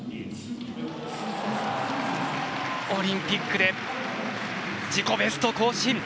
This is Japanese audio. オリンピックで自己ベスト更新！